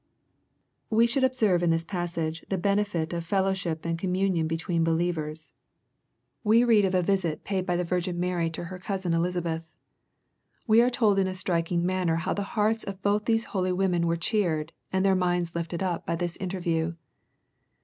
We should observe in this passage, the benefit o/feUouh $hip and communion between believers. We read of a visi t LUKE, CHAP. I. 31 paid by the VirgiD Mary to her cousin Elisabeth. We are told in a striking manner how the hearts of both these holy women were cheered, and their minds lifted up by this interview.